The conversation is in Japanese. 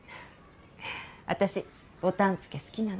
私ボタン付け好きなの。